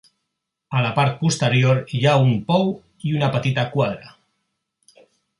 A la part posterior hi ha un pou i una petita quadra.